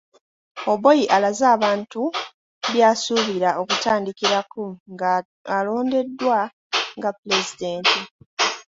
Oboi alaze abantu by'asuubira okutandikirako ng'alondeddwa nga pulezidenti.